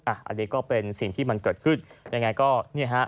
อันนี้ก็เป็นสิ่งที่เกิดขึ้น